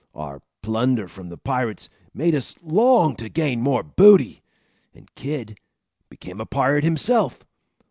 Our plunder from the pirates made us long to gain more booty, and Kidd became a pirate himself.